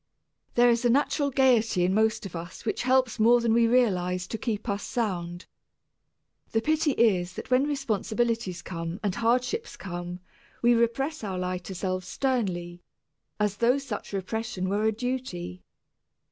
There is a natural gayety in most of us which helps more than we realize to keep us sound. The pity is that when responsibilities come and hardships come, we repress our lighter selves sternly, as though such repression were a duty.